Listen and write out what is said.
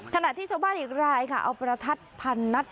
ขณะที่ชาวบ้านอีกรายค่ะเอาประทัดพันนัด